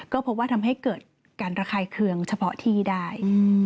ก็พบว่าทำให้เกิดการระคายเคืองเฉพาะที่ได้